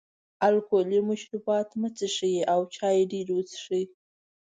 الکولي مشروبات مه څښئ او چای ډېر وڅښئ.